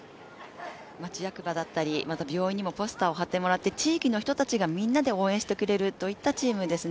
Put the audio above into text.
町役場だったり、病院にもポスターを貼ってもらって地域の人たちがみんなで応援してくれるといったチームですね。